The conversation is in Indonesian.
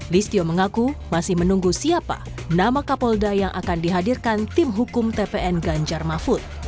listio mengaku masih menunggu siapa nama kapolda yang akan dihadirkan tim hukum tpn ganjar mahfud